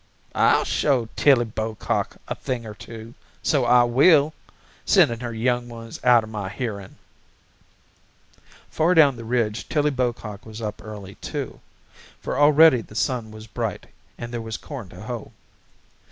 "I'll show Tillie Bocock a thing or two. So I will. Sending her young ones out of my hearing." Far down the ridge Tillie Bocock was up early too, for already the sun was bright and there was corn to hoe.